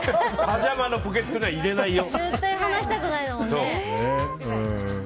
パジャマのポケットには入れないよ。